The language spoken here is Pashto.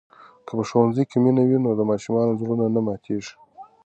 که په ښوونځي کې مینه وي نو د ماشومانو زړونه نه ماتېږي.